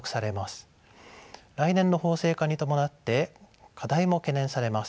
来年の法制化に伴って課題も懸念されます。